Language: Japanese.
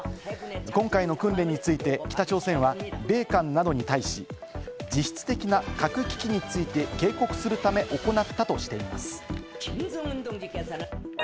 今回の訓練について、北朝鮮は米韓などに対し、実質的な核危機について警告するため行ったとしています。